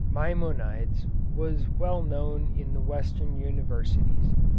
Maimonides was well known in the Western universities.